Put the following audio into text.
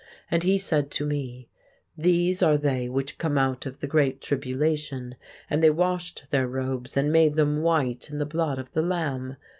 And he said to me, These are they which come out of the great tribulation, and they washed their robes, and made them white in the blood of the Lamb.